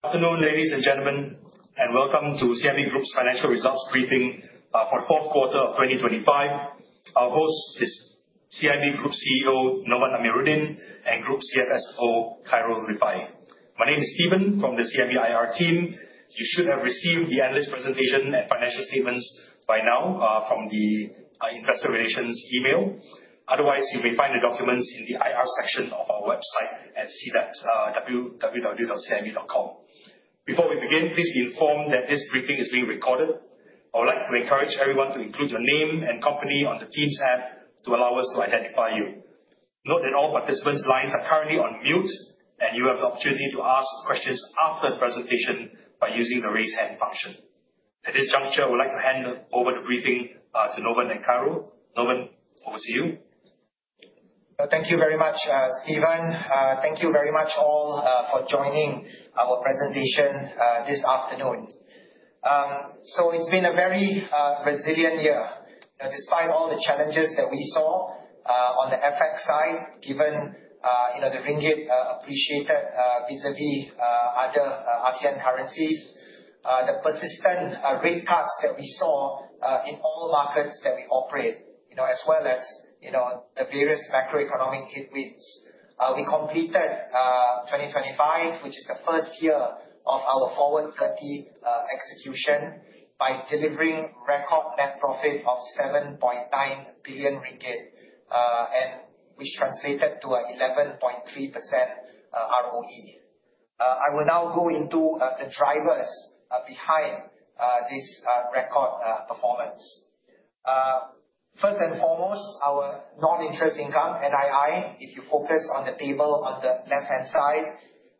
Good afternoon, ladies and gentlemen, and welcome to CIMB Group's financial results briefing for the fourth quarter of 2025. Our host is CIMB Group CEO, Novan Amirudin, and Group CFO, Khairul Rifaie. My name is Steven from the CIMB IR team. You should have received the analyst presentation and financial statements by now from the investor relations email. Otherwise, you may find the documents in the IR section of our website at www.cimb.com. Before we begin, please be informed that this briefing is being recorded. I would like to encourage everyone to include your name and company on the Teams app to allow us to identify you. Note that all participants' lines are currently on mute, and you have the opportunity to ask questions after the presentation by using the raise hand function. At this juncture, I would like to hand over the briefing to Novan and Khairul. Novan, over to you. Thank you very much, Steven. Thank you very much all for joining our presentation this afternoon. It's been a very resilient year, despite all the challenges that we saw on the FX side, given the ringgit appreciated vis-à-vis other ASEAN currencies, the persistent rate cuts that we saw in all markets that we operate, as well as the various macroeconomic headwinds. We completed 2025, which is the first year of our Forward30 execution, by delivering record net profit of 7.9 billion ringgit, which translated to an 11.3% ROE. I will now go into the drivers behind this record performance. First and foremost, our non-interest income, NII, if you focus on the table on the left-hand side,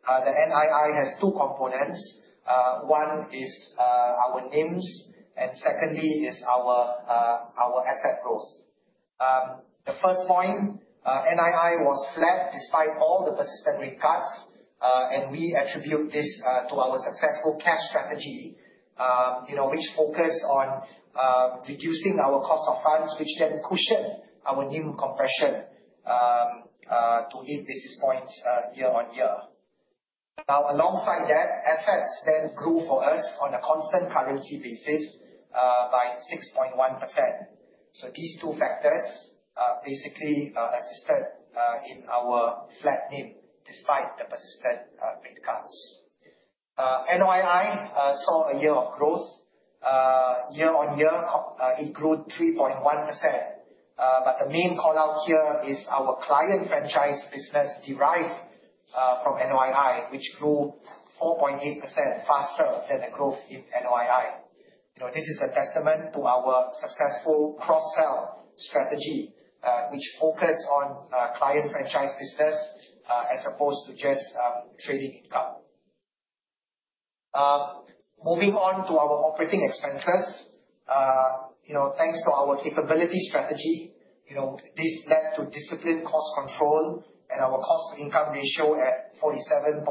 the NII has two components. One is our NIMs, and secondly is our asset growth. The first point, NII, was flat despite all the persistent rate cuts, and we attribute this to our successful cash strategy which focused on reducing our cost of funds, which then cushioned our NIM compression to 8 basis points year on year. Alongside that, assets then grew for us on a constant currency basis by 6.1%. These two factors basically assisted in our flat NIM, despite the persistent rate cuts. NOII saw a year of growth. Year on year, it grew 3.1%, but the main call-out here is our client franchise business derived from NOII, which grew 4.8% faster than the growth in NII. This is a testament to our successful cross-sell strategy, which focused on client franchise business as opposed to just trading income. Moving on to our operating expenses. Thanks to our capability strategy, this led to disciplined cost control, and our cost-to-income ratio at 47.3%.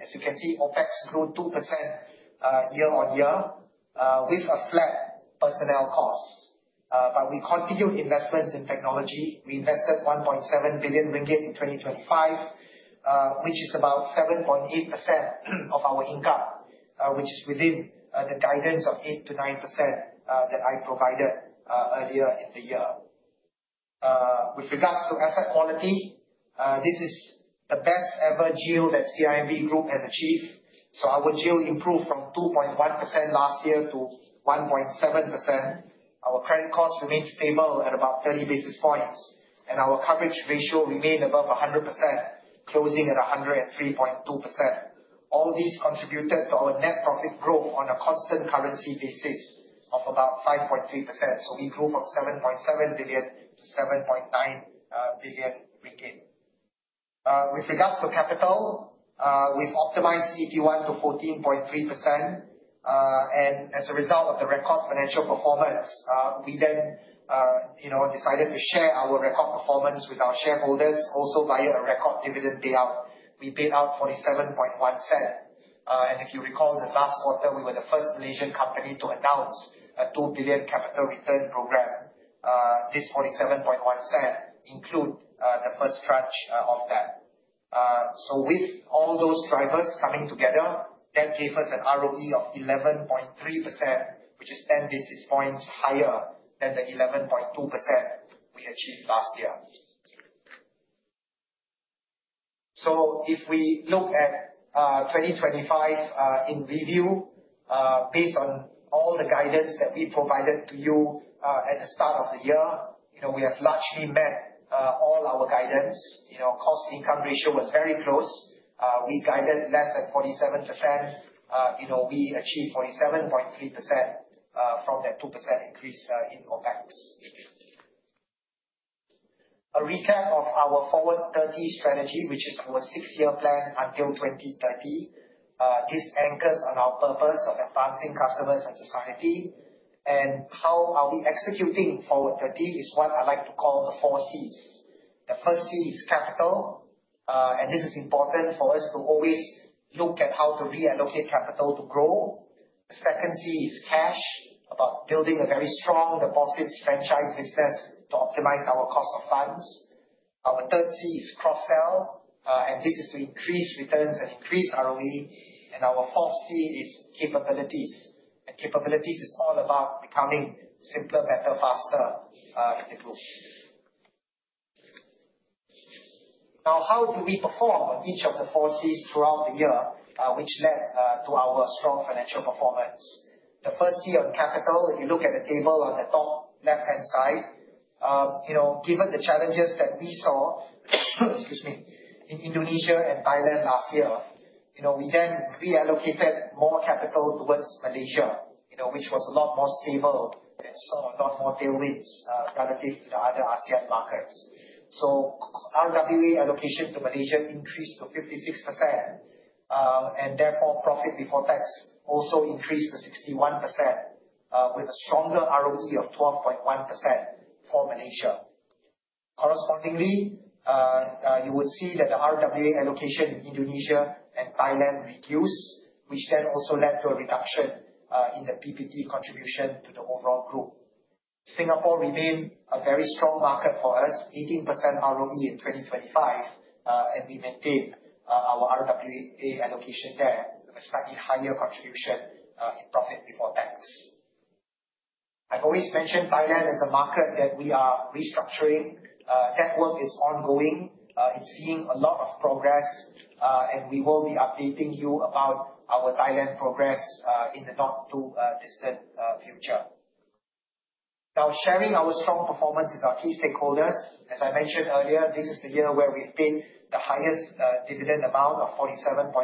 As you can see, OpEx grew 2% year-on-year with a flat personnel cost. We continue investments in technology. We invested 1.7 billion ringgit in 2025, which is about 7.8% of our income, which is within the guidance of 8%-9% that I provided earlier in the year. With regards to asset quality, this is the best ever GIL that CIMB Group has achieved. Our GIL improved from 2.1% last year to 1.7%. Our current cost remains stable at about 30 basis points, and our coverage ratio remained above 100%, closing at 103.2%. All this contributed to our net profit growth on a constant currency basis of about 5.3%. We grew from 7.7 billion to 7.9 billion ringgit. With regards to capital, we've optimized CET1 to 14.3%. As a result of the record financial performance, we decided to share our record performance with our shareholders also via a record dividend payout. We paid out 0.471. If you recall, in the last quarter, we were the first Malaysian company to announce a 2 billion capital return program. This 0.471 include the first tranche of that. With all those drivers coming together, that gave us an ROE of 11.3%, which is 10 basis points higher than the 11.2% we achieved last year. If we look at 2025 in review, based on all the guidance that we provided to you at the start of the year, we have largely met all our guidance. Cost-income ratio was very close. We guided less than 47%. We achieved 47.3% from that 2% increase in OpEx. A recap of our Forward30 strategy, which is our 6-year plan until 2030. This anchors on our purpose of advancing customers and society. How are we executing Forward30 is what I like to call the 4 Cs. The first C is capital, and this is important for us to always look at how to reallocate capital to grow. The second C is cash, about building a very strong deposits franchise business to optimize our cost of funds. Our third C is cross-sell, and this is to increase returns and increase ROE. Our fourth C is capabilities. Capabilities is all about becoming simpler, better, faster in the group. How do we perform on each of the 4 Cs throughout the year, which led to our strong financial performance? The first C on capital, you look at the table on the top left-hand side. Given the challenges that we saw excuse me, in Indonesia and Thailand last year, we reallocated more capital towards Malaysia, which was a lot more stable and saw a lot more tailwinds relative to the other ASEAN markets. RWA allocation to Malaysia increased to 56%, therefore, profit before tax also increased to 61% with a stronger ROE of 12.1% for Malaysia. Correspondingly, you would see that the RWA allocation in Indonesia and Thailand reduced, which then also led to a reduction in the PBT contribution to the overall group. Singapore remained a very strong market for us, 18% ROE in 2025, we maintain our RWA allocation there with a slightly higher contribution in profit before tax. I've always mentioned Thailand as a market that we are restructuring. That work is ongoing. It's seeing a lot of progress. We will be updating you about our Thailand progress in the not-too-distant future. Sharing our strong performance is our key stakeholders. As I mentioned earlier, this is the year where we've paid the highest dividend amount of 0.471,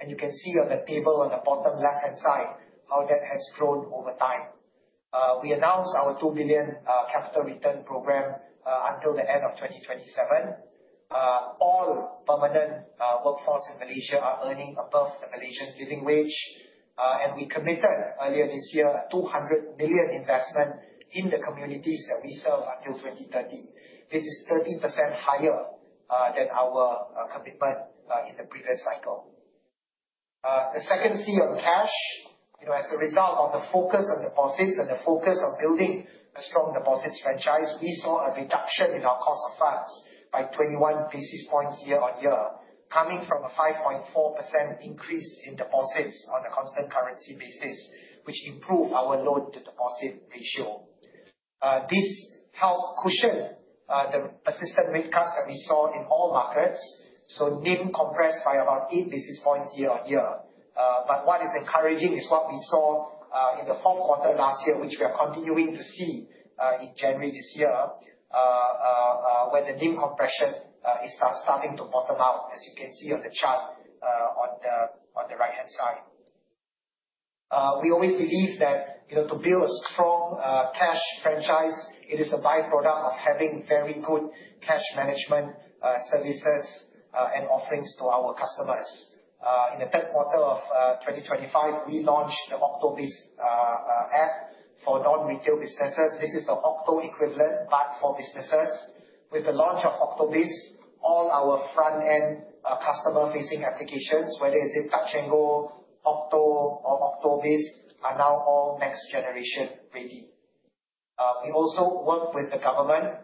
and you can see on the table on the bottom left-hand side how that has grown over time. We announced our 2 billion capital return program until the end of 2027. All permanent workforce in Malaysia are earning above the Malaysian living wage. We committed earlier this year, 200 million investment in the communities that we serve until 2030. This is 30% higher than our commitment in the previous cycle. The second C on cash, as a result of the focus on deposits and the focus on building a strong deposits franchise, we saw a reduction in our cost of funds by 21 basis points year-on-year, coming from a 5.4% increase in deposits on a constant currency basis, which improved our loan-to-deposit ratio. This helped cushion the persistent rate cuts that we saw in all markets. NIM compressed by about 8 basis points year-on-year. What is encouraging is what we saw in the Q4 last year, which we are continuing to see in January this year, where the NIM compression is now starting to bottom out, as you can see on the chart on the right-hand side. We always believe that to build a strong cash franchise, it is a by-product of having very good cash management services and offerings to our customers. In the Q3 2025, we launched the CIMB OCTO Biz app for non-retail businesses. This is the CIMB OCTO equivalent but for businesses. With the launch of CIMB OCTO Biz, all our front-end customer-facing applications, whether it is Touch 'n Go, CIMB OCTO or CIMB OCTO Biz, are now all next-generation ready. We also work with the government.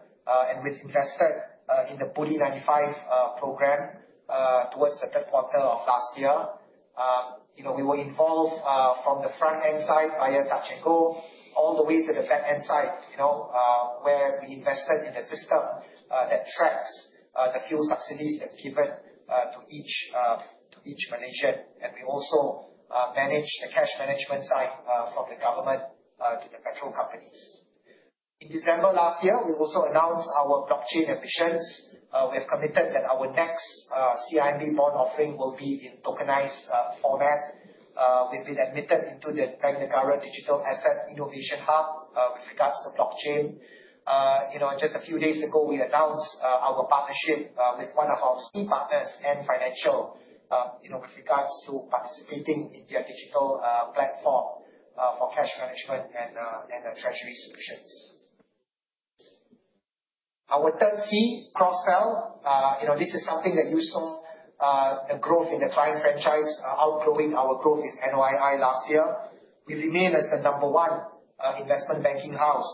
We've invested in the BUDI95 program towards the Q3 last year. We were involved from the front-end side via Touch 'n Go, all the way to the back-end side, where we invested in the system that tracks the fuel subsidies that are given to each Malaysian. We also manage the cash management side from the government to the petrol companies. In December last year, we also announced our blockchain ambitions. We have committed that our next CIMB bond offering will be in tokenized format. We've been admitted into the Bank Negara Malaysia Digital Asset Innovation Hub with regards to blockchain. Just a few days ago, we announced our partnership with one of our key partners, NU Financial, with regards to participating in their digital platform for cash management and the treasury solutions. Our third C, cross-sell, this is something that you saw the growth in the client franchise outgrowing our growth in NOI last year. We remain as the number one investment banking house,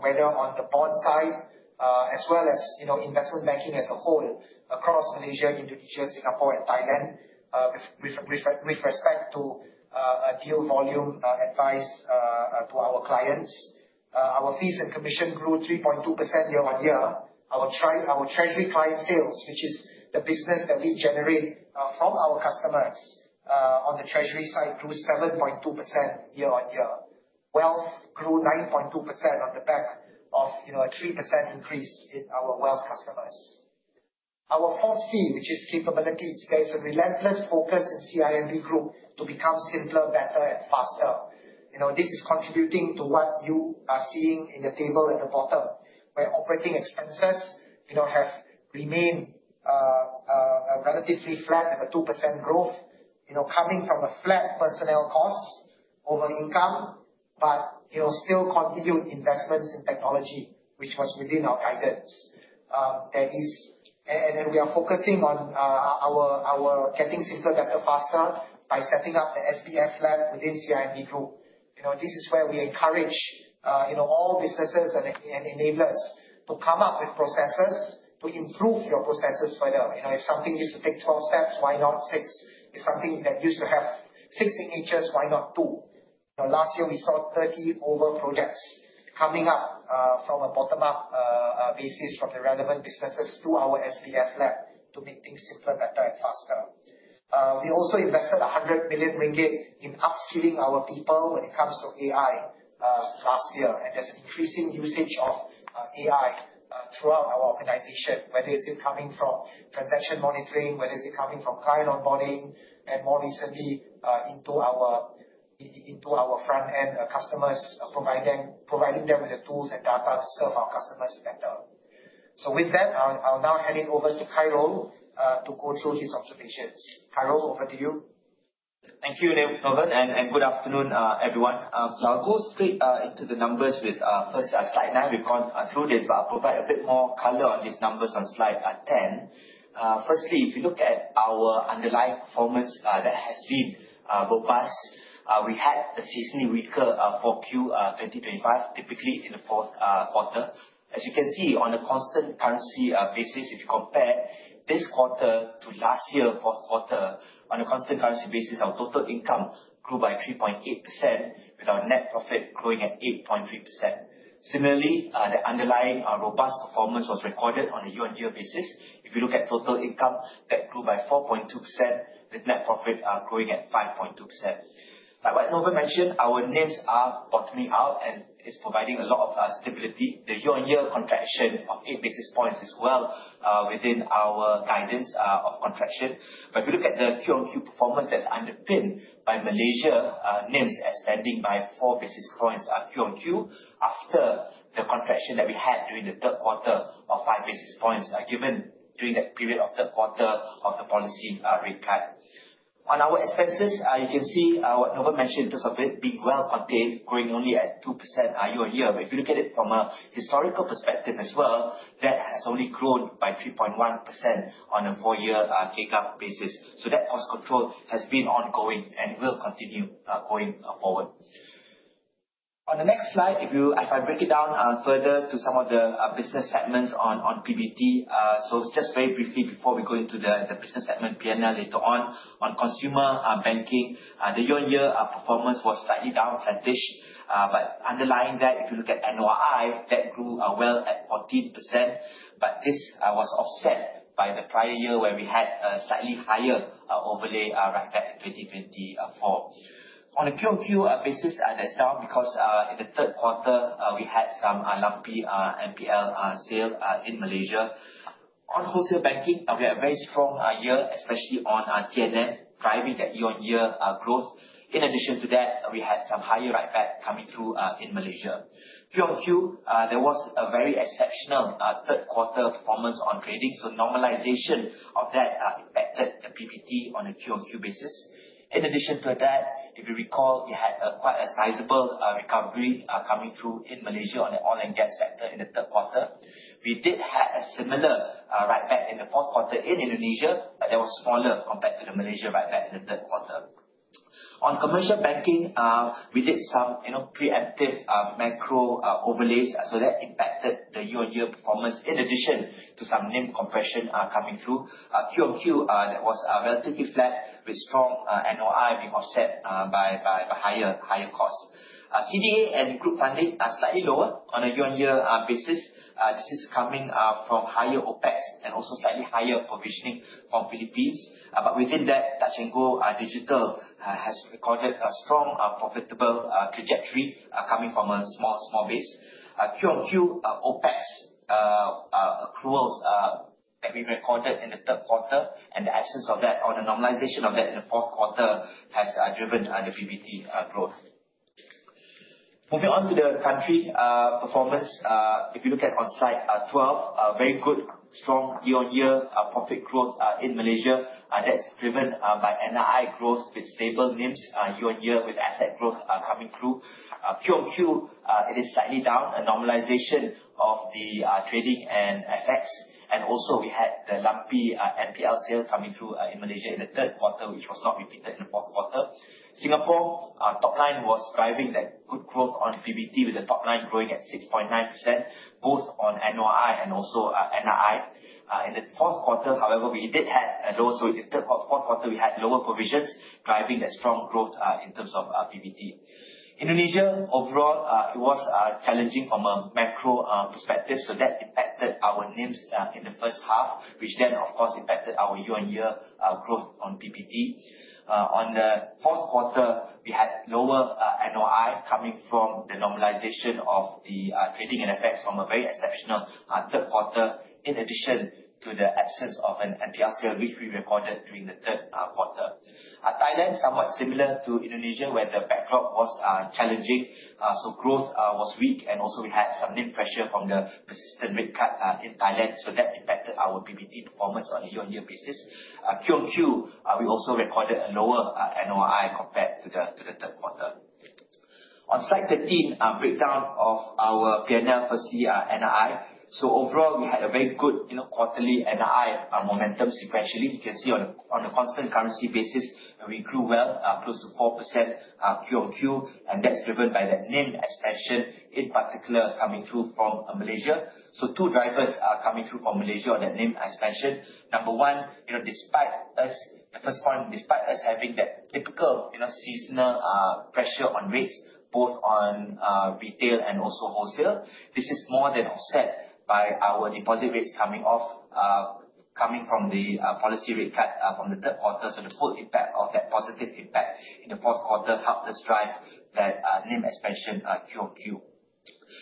whether on the bond side as well as investment banking as a whole across Malaysia, Indonesia, Singapore, and Thailand with respect to deal volume advice to our clients. Our fees and commission grew 3.2% year-on-year. Our treasury client sales, which is the business that we generate from our customers on the treasury side, grew 7.2% year-on-year. Wealth grew 9.2% on the back of a 3% increase in our wealth customers. Our fourth C, which is capabilities, there is a relentless focus in CIMB Group to become simpler, better, and faster. This is contributing to what you are seeing in the table at the bottom, where operating expenses have remained relatively flat at a 2% growth, coming from a flat personnel cost over income, but still continued investments in technology, which was within our guidance. We are focusing on our getting simpler, better, faster by setting up the SBF lab within CIMB Group. This is where we encourage all businesses and enablers to come up with processes to improve your processes further. If something used to take 12 steps, why not six? If something that used to have six signatures, why not two? Last year, we saw 30 over projects coming up from a bottom-up basis from the relevant businesses to our SBF lab to make things simpler, better, and faster. We also invested 100 million ringgit in upskilling our people when it comes to AI last year, there's increasing usage of AI throughout our organization, whether it's coming from transaction monitoring, whether it's coming from client onboarding, and more recently, into our front-end customers, providing them with the tools and data to serve our customers better. With that, I'll now hand it over to Khairul to go through his observations. Khairul, over to you. Thank you, Novan, good afternoon, everyone. I'll go straight into the numbers with first slide nine. We've gone through this, but I'll provide a bit more color on these numbers on slide 10. Firstly, if you look at our underlying performance that has been robust, we had a seasonally weaker 4Q 2025, typically in the fourth quarter. As you can see on a constant currency basis, if you compare this quarter to last year's fourth quarter, on a constant currency basis, our total income grew by 3.8% with our net profit growing at 8.3%. Similarly, the underlying robust performance was recorded on a year-on-year basis. If you look at total income, that grew by 4.2% with net profit growing at 5.2%. Like what Novan mentioned, our NIMs are bottoming out and is providing a lot of stability. The year-on-year contraction of eight basis points as well, within our guidance of contraction. If you look at the QOQ performance, that's underpinned by Malaysia NIMs expanding by four basis points QOQ, after the contraction that we had during the third quarter of five basis points, given during that period of third quarter of the policy rate cut. On our expenses, you can see what Novan mentioned in terms of it being well contained, growing only at 2% year-on-year. If you look at it from a historical perspective as well, that has only grown by 3.1% on a four-year CAGR basis. That cost control has been ongoing and will continue going forward. On the next slide, if I break it down further to some of the business segments on PBT. Just very briefly before we go into the business segment P&L later on consumer banking, the year-on-year performance was slightly down a percentage. Underlying that, if you look at NOI, that grew well at 14%, but this was offset by the prior year, where we had a slightly higher overlay write-back in 2024. On a quarter-over-quarter basis, that is down because in the third quarter, we had some lumpy NPL sale in Malaysia. On wholesale banking, we had a very strong year, especially on T&M, driving that year-on-year growth. In addition to that, we had some higher write-back coming through in Malaysia. Quarter-over-quarter, there was a very exceptional third quarter performance on trading, so normalization of that impacted the PBT on a quarter-over-quarter basis. In addition to that, if you recall, we had quite a sizable recovery coming through in Malaysia on the oil and gas sector in the third quarter. We did have a similar write-back in the fourth quarter in Indonesia, but that was smaller compared to the Malaysia write-back in the third quarter. On commercial banking, we did some preemptive macro overlays, so that impacted the year-on-year performance in addition to some NIM compression coming through. Quarter-over-quarter, that was relatively flat with strong NOI being offset by higher costs. CDA and group funding are slightly lower on a year-on-year basis. This is coming from higher OpEx and also slightly higher provisioning from Philippines. Within that, Touch 'n' Go Digital has recorded a strong, profitable trajectory coming from a small base. Quarter-over-quarter, OpEx accruals that we recorded in the third quarter, and the absence of that or the normalization of that in the fourth quarter has driven the PBT growth. Moving on to the country performance. If you look at on slide 12, very good, strong year-on-year profit growth in Malaysia. That is driven by NII growth with stable NIMs year-on-year with asset growth coming through. Quarter-over-quarter, it is slightly down, a normalization of the trading and FX, and also we had the lumpy NPL sale coming through in Malaysia in the third quarter, which was not repeated in the fourth quarter. Singapore top line was driving that good growth on PBT with the top line growing at 6.9%, both on NOI and also NII. In the fourth quarter, however, we had lower provisions driving that strong growth in terms of PBT. Indonesia overall, it was challenging from a macro perspective, that impacted our NIMs in the first half, which, of course, impacted our year-on-year growth on PBT. On the fourth quarter, we had lower NOI coming from the normalization of the trading and effects from a very exceptional third quarter, in addition to the absence of an NPL sale which we recorded during the third quarter. Thailand, somewhat similar to Indonesia, where the backdrop was challenging, growth was weak, and also we had some NIM pressure from the persistent rate cut in Thailand, that impacted our PBT performance on a year-on-year basis. Quarter-over-quarter, we also recorded a lower NOI compared to the third quarter. On slide 13, breakdown of our P&L for NII. Overall, we had a very good quarterly NII momentum sequentially. You can see on a constant currency basis, we grew well close to 4% QOQ, and that's driven by that NIM expansion, in particular, coming through from Malaysia. Two drivers are coming through from Malaysia on that NIM expansion. Number one, the first point, despite us having that typical seasonal pressure on rates, both on retail and also wholesale, this is more than offset by our deposit rates coming from the policy rate cut from the third quarter. The full impact of that positive impact in the fourth quarter helped us drive that NIM expansion QOQ.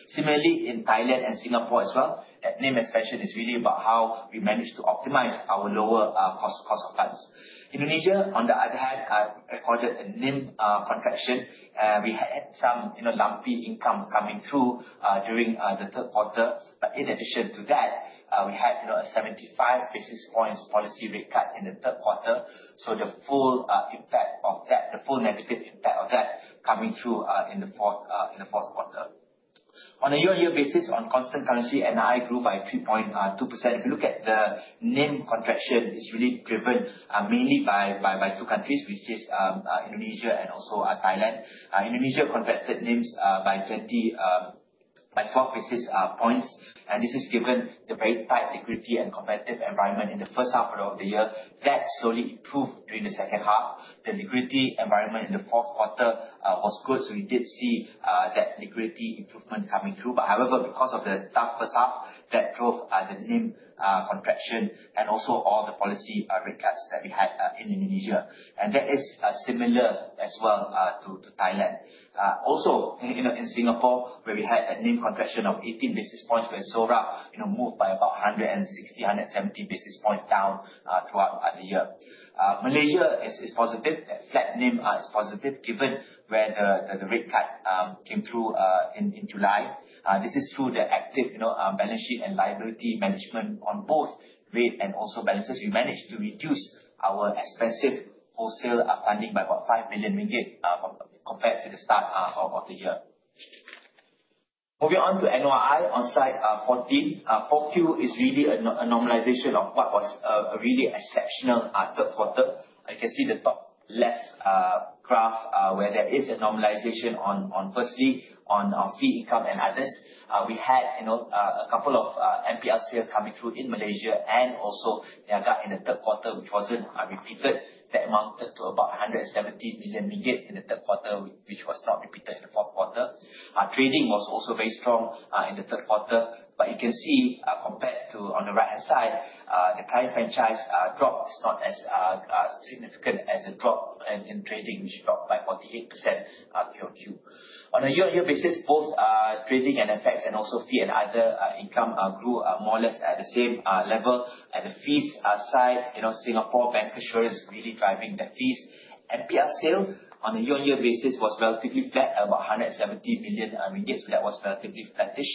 Similarly, in Thailand and Singapore as well, that NIM expansion is really about how we managed to optimize our lower cost of funds. Indonesia, on the other hand, recorded a NIM contraction. We had some lumpy income coming through during the third quarter. In addition to that, we had a 75 basis points policy rate cut in the third quarter. The full negative impact of that coming through in the fourth quarter. On a year-on-year basis, on constant currency, NII grew by 3.2%. If you look at the NIM contraction, it's really driven mainly by two countries, which is Indonesia and also Thailand. Indonesia contracted NIMs by 12 basis points, and this is given the very tight liquidity and competitive environment in the first half of the year that slowly improved during the second half. The liquidity environment in the fourth quarter was good, we did see that liquidity improvement coming through. However, because of the tough first half, that drove the NIM contraction and also all the policy rate cuts that we had in Indonesia. That is similar as well to Thailand. Also, in Singapore, where we had a NIM contraction of 18 basis points, where SORA moved by about 160, 170 basis points down throughout the year. Malaysia is positive. That flat NIM is positive given where the rate cut came through in July. This is through the active balance sheet and liability management on both rate and also balances. We managed to reduce our expensive wholesale funding by about 5 million ringgit compared to the start of the year. Moving on to NOI on slide fourteen. 4Q is really a normalization of what was a really exceptional third quarter. You can see the top left graph, where there is a normalization on, firstly, on fee income and others. We had a couple of NPSL coming through in Malaysia and also the ARC in the third quarter, which wasn't repeated. That amounted to about 170 million ringgit in the third quarter, which was not repeated in the fourth quarter. Trading was also very strong in the third quarter, you can see compared to on the right-hand side, the client franchise drop is not as significant as the drop in trading, which dropped by 48% QOQ. On a year-on-year basis, both trading and FX and also fee and other income grew more or less at the same level. At the fees side, Singapore bancassurance really driving the fees. NPL sale on a year-on-year basis was relatively flat, at about 170 million ringgit, that was relatively flattish.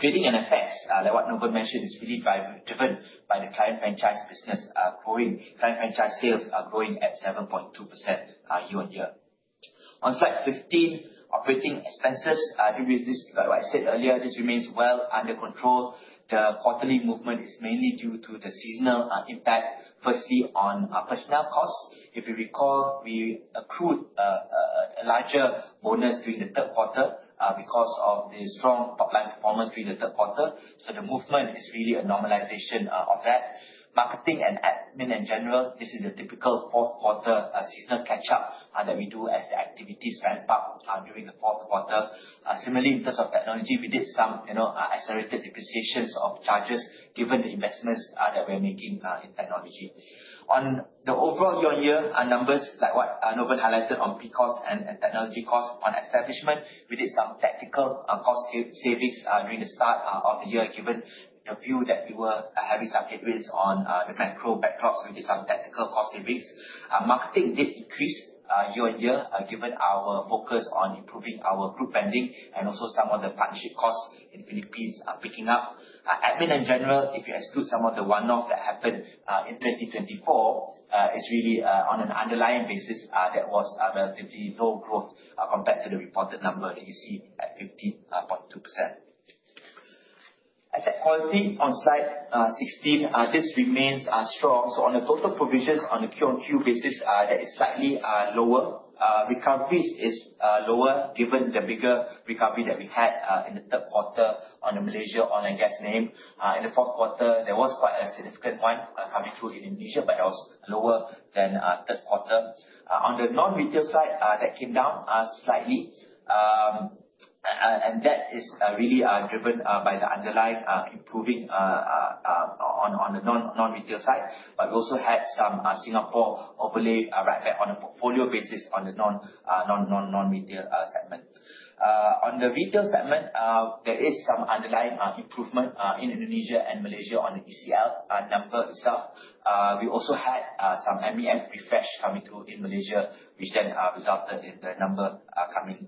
Trading and FX, like what Noble mentioned, is really driven by the client franchise business growing. Client franchise sales are growing at 7.2% year-on-year. On slide fifteen, operating expenses. Like what I said earlier, this remains well under control. The quarterly movement is mainly due to the seasonal impact, firstly on personnel costs. If you recall, we accrued a larger bonus during the third quarter because of the strong top-line performance during the third quarter. The movement is really a normalization of that. Marketing and admin in general, this is a typical fourth quarter seasonal catch-up that we do as the activities ramp up during the fourth quarter. Similarly, in terms of technology, we did some accelerated depreciations of charges given the investments that we're making in technology. On the overall year-on-year numbers, like what Noble highlighted on pre-cost and technology cost on establishment, we did some tactical cost savings during the start of the year, given the view that we were having some headwinds on the macro backdrop, we did some tactical cost savings. Marketing did increase year-on-year, given our focus on improving our group branding and also some of the partnership costs in Philippines are picking up. Admin in general, if you exclude some of the one-off that happened in 2024, on an underlying basis, that was relatively low growth compared to the reported number that you see at 15.2%. Asset quality on slide 16. This remains strong. On the total provisions on a QOQ basis, that is slightly lower. Recoveries is lower given the bigger recovery that we had in the third quarter on the Malaysia oil and gas NIM. In the fourth quarter, there was quite a significant one coming through Indonesia, but that was lower than third quarter. On the non-retail side, that came down slightly, and that is really driven by the underlying improving on the non-retail side, but we also had some Singapore overlay write-back on a portfolio basis on the non-retail segment. On the retail segment, there is some underlying improvement in Indonesia and Malaysia on the ECL number itself. We also had some MEM refresh coming through in Malaysia, which then resulted in the number coming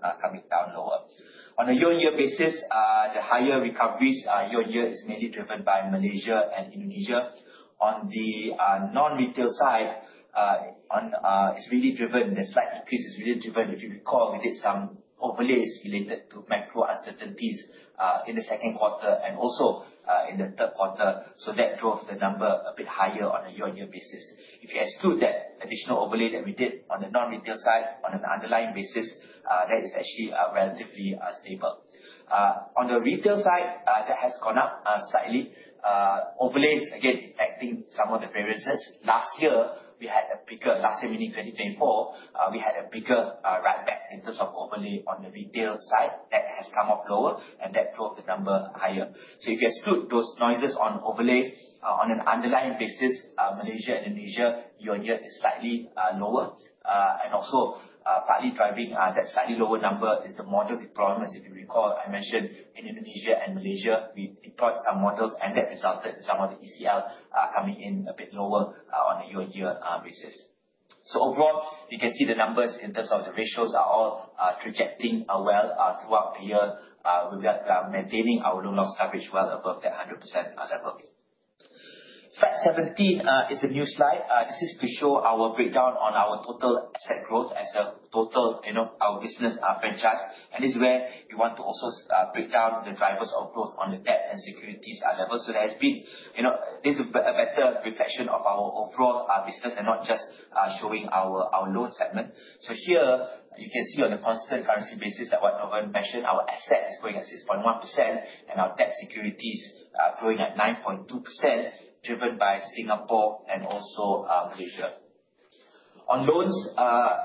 down lower. On a year-on-year basis, the higher recoveries year-on-year is mainly driven by Malaysia and Indonesia. On the non-retail side, the slight increase is really driven, if you recall, we did some overlays related to macro uncertainties in the second quarter and also in the third quarter. That drove the number a bit higher on a year-on-year basis. If you exclude that additional overlay that we did on the non-retail side, on an underlying basis, that is actually relatively stable. On the retail side, that has gone up slightly. Overlays, again, impacting some of the variances. Last year, meaning 2024, we had a bigger write-back in terms of overlay on the retail side that has come off lower, and that drove the number higher. If you exclude those noises on overlay, on an underlying basis, Malaysia, Indonesia year-on-year is slightly lower. Partly driving that slightly lower number is the model deployment. As you recall, I mentioned in Indonesia and Malaysia, we deployed some models, and that resulted in some of the ECL coming in a bit lower on a year-on-year basis. Overall, you can see the numbers in terms of the ratios are all trajecting well throughout the year. We are maintaining our loan loss coverage well above that 100% level. Slide 17 is a new slide. This is to show our breakdown on our total asset growth as a total, our business franchise. This is where we want to also break down the drivers of growth on the debt and securities level. This is a better reflection of our overall business and not just showing our loans segment. Here, you can see on a constant currency basis that what Novan mentioned, our asset is growing at 6.1%, and our debt securities are growing at 9.2%, driven by Singapore and also Malaysia. On loans,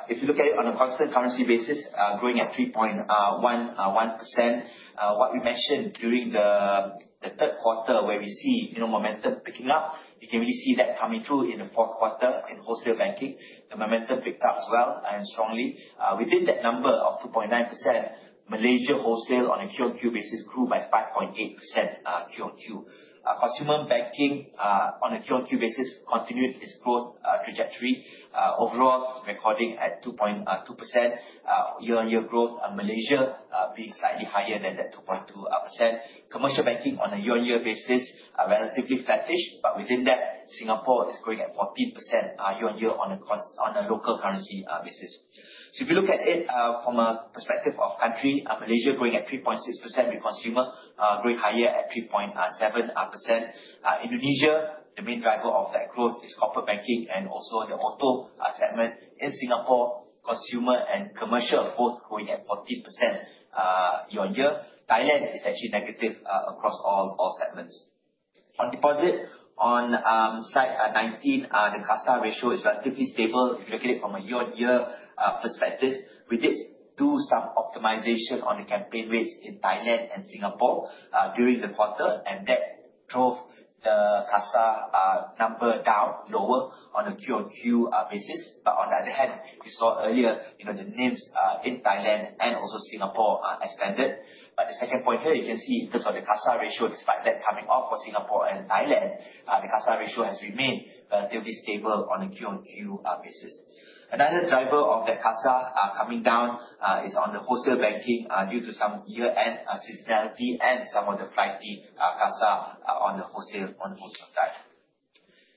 if you look at it on a constant currency basis, growing at 3.11%. What we mentioned during the third quarter, where we see momentum picking up, you can really see that coming through in the fourth quarter in wholesale banking. The momentum picked up as well and strongly. Within that number of 2.9%, Malaysia wholesale on a QOQ basis grew by 5.8% QOQ. Consumer banking, on a QOQ basis, continued its growth trajectory. Overall, recording at 2.2% year-on-year growth, and Malaysia being slightly higher than that 2.2%. Commercial banking on a year-on-year basis, relatively flattish, but within that, Singapore is growing at 14% year-on-year on a local currency basis. If you look at it from a perspective of country, Malaysia growing at 3.6% with consumer growing higher at 3.7%. Indonesia, the main driver of that growth is corporate banking and also the auto segment. In Singapore, consumer and commercial both growing at 14% year-on-year. Thailand is actually negative across all segments. On deposit, on slide 19, the CASA ratio is relatively stable if you look at it from a year-on-year perspective. We did do some optimization on the campaign rates in Thailand and Singapore during the quarter, and that drove the CASA number down lower on a QOQ basis. On the other hand, we saw earlier, the NIMs in Thailand and also Singapore extended. The second point here, you can see in terms of the CASA ratio, despite that coming off for Singapore and Thailand, the CASA ratio has remained relatively stable on a QOQ basis. Another driver of that CASA coming down is on the wholesale banking due to some year-end seasonality and some of the flighty CASA on the wholesale side.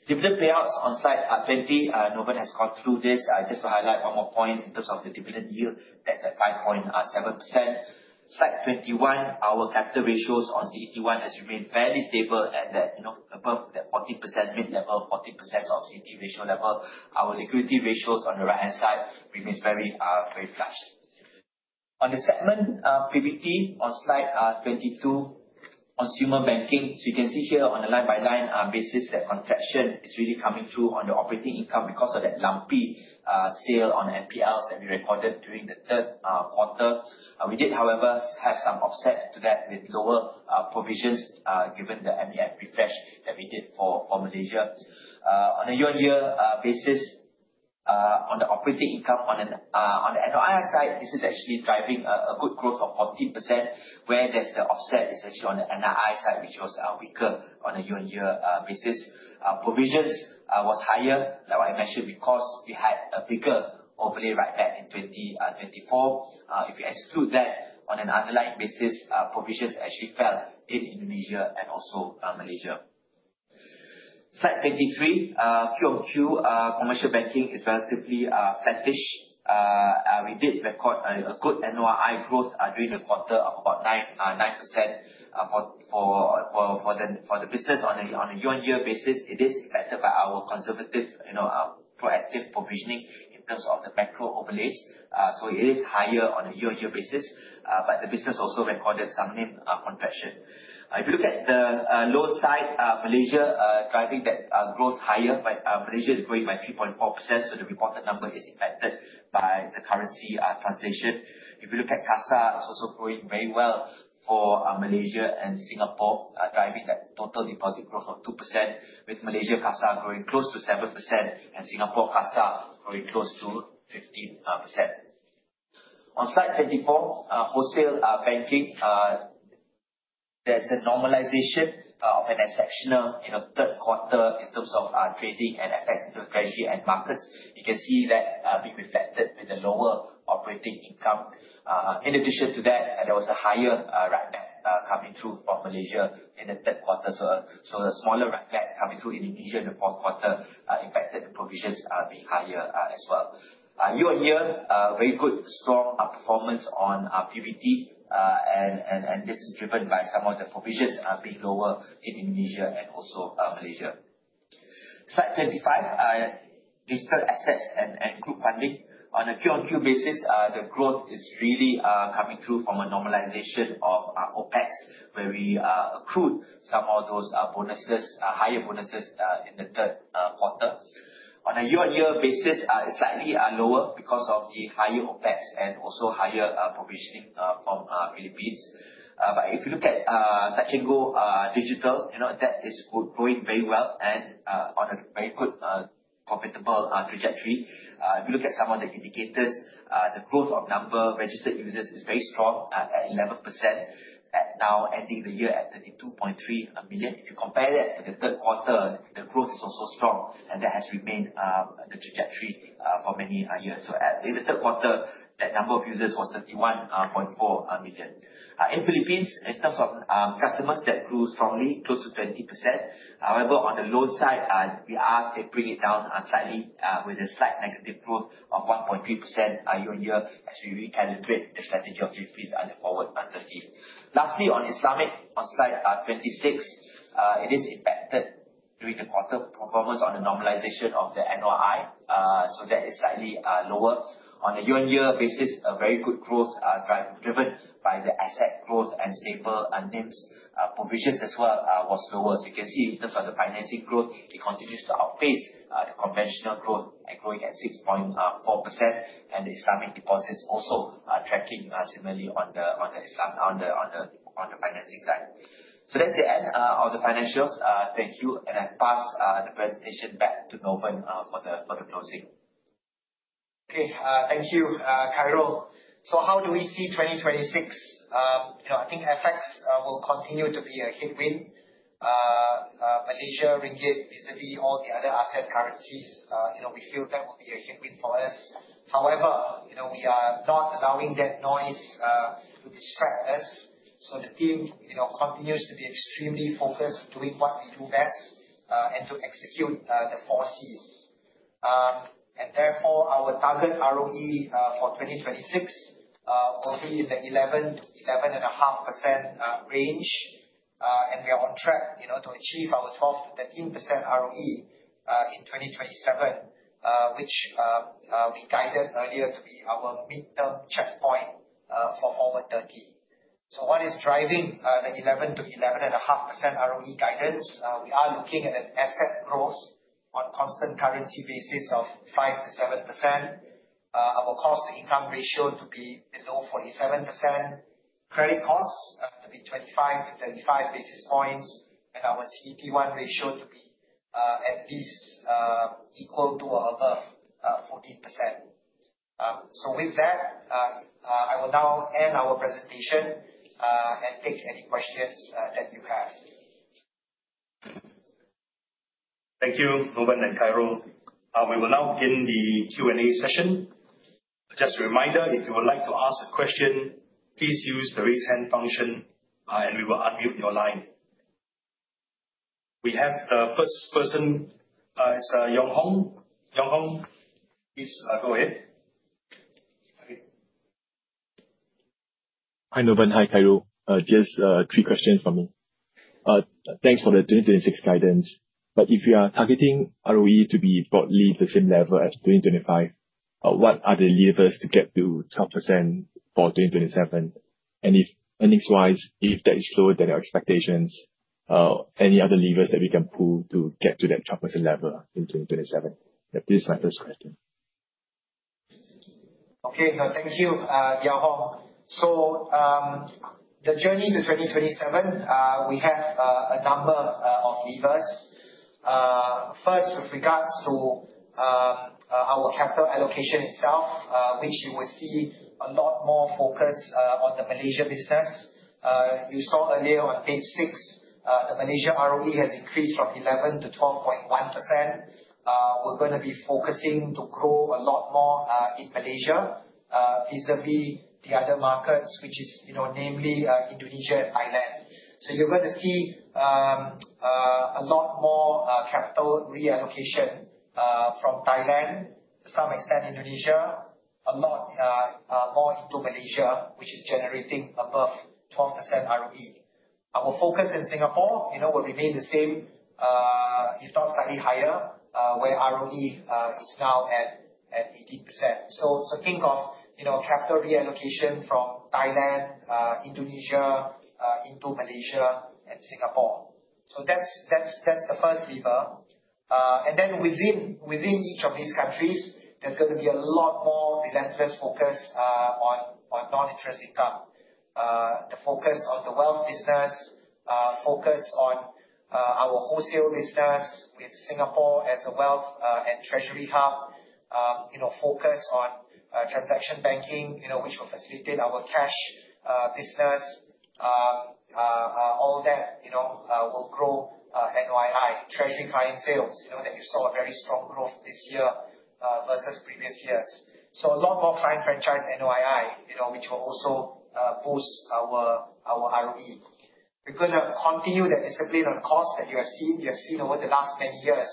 Dividend payouts on slide 20. Novan has gone through this. Just to highlight one more point in terms of the dividend yield, that's at 5.7%. Slide 21, our capital ratios on CET1 has remained fairly stable above that 14% mid level, 14% of CET ratio level. Our liquidity ratios on the right-hand side remains very flush. On the segment PBT on slide 22, consumer banking. You can see here on a line-by-line basis, that contraction is really coming through on the operating income because of that lumpy sale on NPLs that we recorded during the third quarter. We did, however, have some offset to that with lower provisions, given the MEF refresh that we did for Malaysia. On a year-on-year basis, on the operating income, on the NOI side, this is actually driving a good growth of 14%, where there's the offset is actually on the NII side, which was weaker on a year-on-year basis. Provisions was higher, like what I mentioned, because we had a bigger overlay write-back in 2024. If you exclude that, on an underlying basis, provisions actually fell in Indonesia and also Malaysia. Slide 23, QOQ commercial banking is relatively flattish. We did record a good NOI growth during the quarter of about 9% for the business on a year-on-year basis. It is impacted by our conservative, proactive provisioning in terms of the macro overlays. It is higher on a year-on-year basis, but the business also recorded some NIM contraction. If you look at the loan side, Malaysia driving that growth higher, but Malaysia is growing by 3.4%, so the reported number is impacted by the currency translation. If you look at CASA, it is also growing very well for Malaysia and Singapore, driving that total deposit growth of 2%, with Malaysia CASA growing close to 7% and Singapore CASA growing close to 15%. On slide 24, wholesale banking. There is a normalization of an exceptional third quarter in terms of trading and FX, the treasury and markets. You can see that being reflected with the lower operating income. In addition to that, there was a higher write-back coming through from Malaysia in the third quarter. The smaller write-back coming through Indonesia in the fourth quarter impacted the provisions being higher as well. Year-on-year, very good, strong performance on PBT, and this is driven by some of the provisions being lower in Indonesia and also Malaysia. Slide 25, Digital Assets and group funding. On a Q-on-Q basis, the growth is really coming through from a normalization of OpEx, where we accrued some of those higher bonuses in the third quarter. On a year-on-year basis, slightly lower because of the higher OpEx and also higher provisioning from Philippines. However, if you look at Touch 'n Go Digital, that is growing very well and on a very good, profitable trajectory. If you look at some of the indicators, the growth of number of registered users is very strong at 11%, now ending the year at 32.3 million. If you compare that with the third quarter, the growth is also strong, and that has remained the trajectory for many years. In the third quarter, that number of users was 31.4 million. In Philippines, in terms of customers, that grew strongly, close to 20%. However, on the loan side, we are tapering it down slightly with a slight negative growth of 1.3% year-on-year as we recalibrate the strategy of Philippines on the Forward30. Lastly, on Islamic, on slide 26, it is impacted during the quarter performance on the normalization of the NOI. That is slightly lower. On a year-on-year basis, a very good growth, driven by the asset growth and stable NIMs. Provisions as well, was lower. As you can see, in terms of the financing growth, it continues to outpace the conventional growth and growing at 6.4%, and the Islamic deposits also are tracking similarly on the financing side. That is the end of the financials. Thank you, and I pass the presentation back to Novan for the closing. Okay. Thank you, Khairul. How do we see 2026? I think FX will continue to be a headwind. Malaysia Ringgit vis-à-vis all the other asset currencies, we feel that will be a headwind for us. However, we are not allowing that noise to distract us. The team continues to be extremely focused, doing what we do best, and to execute the four Cs. Therefore, our target ROE for 2026 will be in the 11%-11.5% range. We are on track to achieve our 12%-13% ROE in 2027, which we guided earlier to be our midterm checkpoint for Forward30. What is driving the 11%-11.5% ROE guidance? We are looking at an asset growth on a constant currency basis of 5%-7%, our cost-to-income ratio to be below 47%, credit costs to be 25 to 35 basis points, and our CET1 ratio to be at least equal to or above 14%. With that, I will now end our presentation and take any questions that you have. Thank you, Noven and Khairul. We will now begin the Q&A session. Just a reminder, if you would like to ask a question, please use the raise hand function, and we will unmute your line. We have the first person. It's Yeong Hong. Yeong Hong, please go ahead. Okay. Hi, Noven. Hi, Khairul. Just three questions from me. Thanks for the 2026 guidance. If you are targeting ROE to be broadly the same level as 2025, what are the levers to get to 12% for 2027? Earnings-wise, if that is lower than our expectations, any other levers that we can pull to get to that 12% level in 2027? That is my first question. Okay. Thank you, Yeong Hong. The journey to 2027, we have a number of levers. First, with regards to our capital allocation itself, which you will see a lot more focus on the Malaysia business. You saw earlier on page six, the Malaysia ROE has increased from 11% to 12.1%. We're going to be focusing to grow a lot more in Malaysia, vis-à-vis the other markets, which is namely Indonesia and Thailand. You're going to see a lot more capital reallocation from Thailand, to some extent Indonesia, a lot more into Malaysia, which is generating above 12% ROE. Our focus in Singapore will remain the same, if not slightly higher, where ROE is now at 18%. Think of capital reallocation from Thailand, Indonesia, into Malaysia and Singapore. That's the first lever. Within each of these countries, there's going to be a lot more relentless focus on non-interest income. The focus on the wealth business, focus on our wholesale business with Singapore as a wealth and treasury hub, focus on transaction banking, which will facilitate our cash business. All that will grow NOI. Treasury client sales, that you saw very strong growth this year versus previous years. A lot more client franchise NOI, which will also boost our ROE. We're going to continue the discipline on cost that you have seen over the last many years.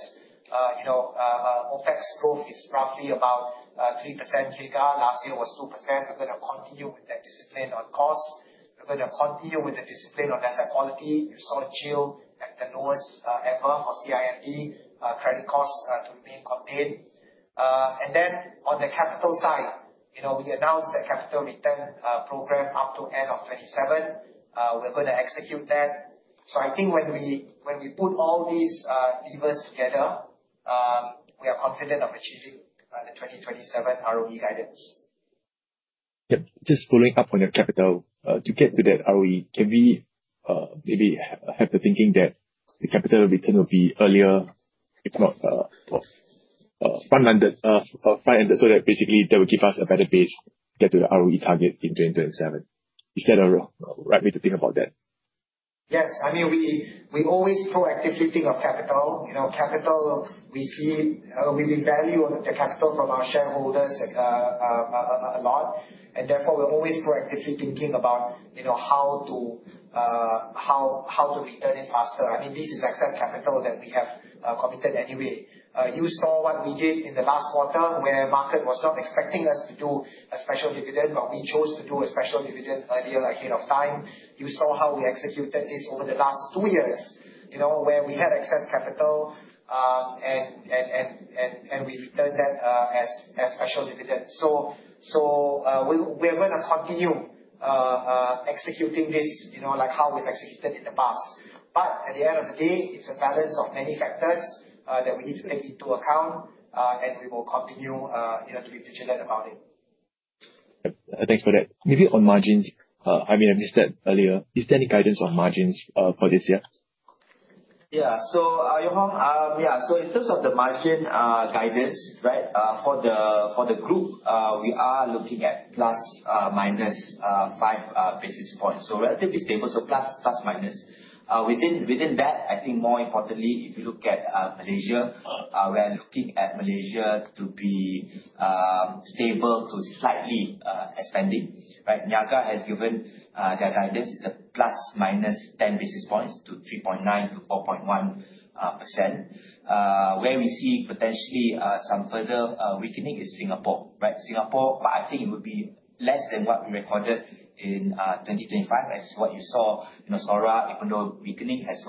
OpEx growth is roughly about 3% year-on-year, last year was 2%. We're going to continue with that discipline on cost. We're going to continue with the discipline on asset quality. We saw a GIL at the lowest ever for CIMB, credit costs to remain contained. On the capital side, we announced the capital return program up to end of 2027. We're going to execute that. I think when we put all these levers together, we are confident of achieving the 2027 ROE guidance. Yep. Just following up on your capital, to get to that ROE, can we maybe have the thinking that the capital return will be earlier, if not front-ended, so that basically that would give us a better base get to the ROE target in 2027? Is that a right way to think about that? Yes. We always proactively think of capital. We value the capital from our shareholders a lot. We're always proactively thinking about how to return it faster. This is excess capital that we have committed anyway. You saw what we did in the last quarter, where market was not expecting us to do a special dividend. We chose to do a special dividend earlier ahead of time. You saw how we executed this over the last two years, where we had excess capital. We've turned that as special dividend. We're going to continue executing this, like how we've executed in the past. At the end of the day, it's a balance of many factors that we need to take into account. We will continue to be vigilant about it. Yep. Thanks for that. Maybe on margins, I may have missed that earlier. Is there any guidance on margins for this year? Yeah. Yeong Hong, in terms of the margin guidance, for the group, we are looking at ±5 basis points. Relatively stable, ±. Within that, I think more importantly, if you look at Malaysia, we're looking at Malaysia to be stable to slightly expanding. Niaga has given their guidance is a ±10 basis points to 3.9%-4.1%, where we see potentially some further weakening in Singapore. Singapore, I think it would be less than what we recorded in 2025 as what you saw in SORA, even though weakening has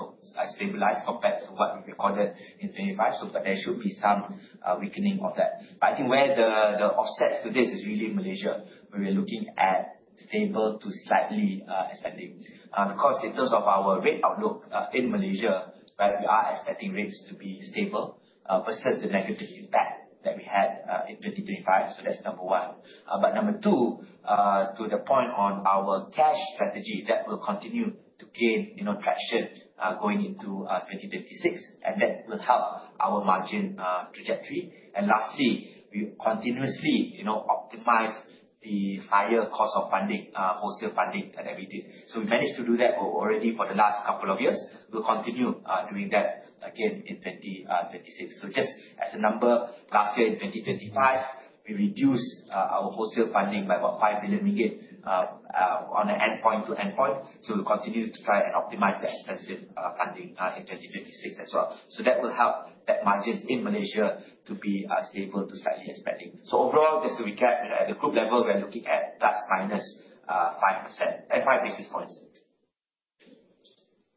stabilized compared to what we recorded in 2025. There should be some weakening of that. I think where the offsets to this is really Malaysia, where we're looking at stable to slightly expanding. In terms of our rate outlook in Malaysia, we are expecting rates to be stable versus the negative impact that we had in 2025. That's number one. Number two, to the point on our cash strategy, that will continue to gain traction, going into 2026. That will help our margin trajectory. Lastly, we continuously optimize the higher cost of funding, wholesale funding that we did. We managed to do that already for the last couple of years. We'll continue doing that again in 2026. Just as a number, last year in 2025, we reduced our wholesale funding by about 5 billion ringgit on an endpoint to endpoint. We'll continue to try and optimize the expensive funding in 2026 as well. That will help that margins in Malaysia to be stable to slightly expanding. overall, just to recap, at the group level, we're looking at ±5 basis points.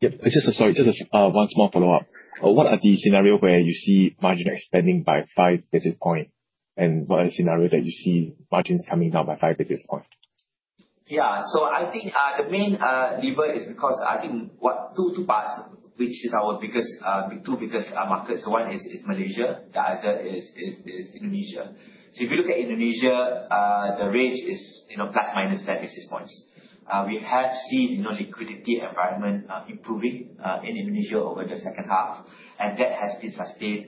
Yep. Sorry, just one small follow-up. What are the scenario where you see margin expanding by 5 basis point, and what are the scenario that you see margins coming down by 5 basis point? I think, the main lever is because, I think, two parts, which is our two biggest markets. One is Malaysia, the other is Indonesia. If you look at Indonesia, the range is ±10 basis points. We have seen liquidity environment improving in Indonesia over the second half, and that has been sustained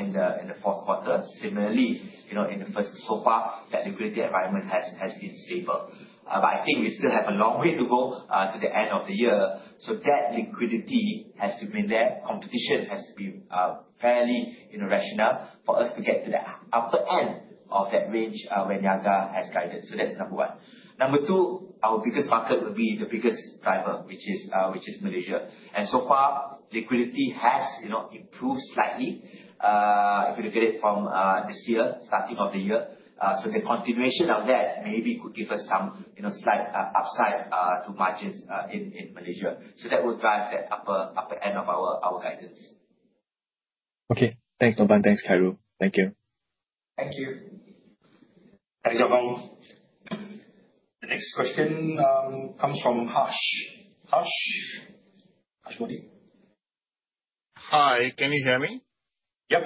in the fourth quarter. Similarly, in the first so far, that liquidity environment has been stable. I think we still have a long way to go to the end of the year. That liquidity has to remain there. Competition has to be fairly rational for us to get to the upper end of that range, where Niaga has guided. That's number 1. Number 2, our biggest market will be the biggest driver, which is Malaysia. So far, liquidity has improved slightly, if you look at it from this year, starting of the year. The continuation of that maybe could give us some slight upside to margins in Malaysia. That will drive that upper end of our guidance. Okay. Thanks a bunch. Thanks, Khairul. Thank you. Thank you. Thanks, Yeong Hong. The next question comes from Harsh. Harsh? Harsh Modi? Hi, can you hear me? Yep.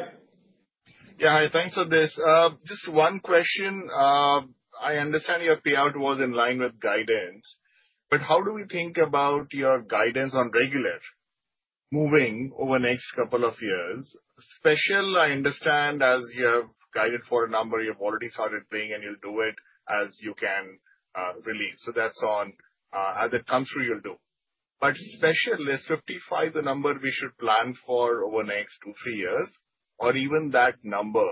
Hi, thanks for this. Just one question. I understand your payout was in line with guidance, how do we think about your guidance on regular moving over next couple of years? Special, I understand as you have guided for a number, you've already started paying, and you'll do it as you can release. That's on, as it comes through, you'll do. Special is 55 the number we should plan for over next two, three years, or even that number